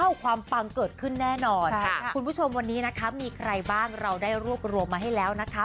ความปังเกิดขึ้นแน่นอนคุณผู้ชมวันนี้นะคะมีใครบ้างเราได้รวบรวมมาให้แล้วนะคะ